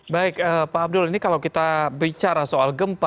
baik pak abdul ini kalau kita bicara soal gempa